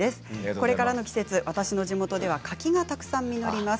これからの季節、私の地元では柿がたくさん実ります。